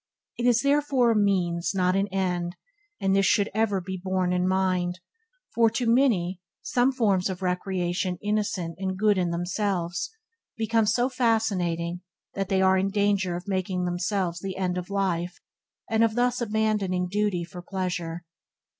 It is, therefore, a means, not an end; and this should ever be born in mind, for, to many, some forms of recreation innocent and good in themselves – become so fascinating that they are in danger of making them the end of life, and of thus abandoning duty for pleasure.